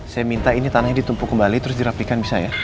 saya minta ini tanahnya ditumpuk kembali terus dirapikan bisa ya